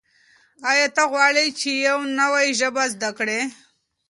آیا ته غواړې چې یو نوی ژبه زده کړې؟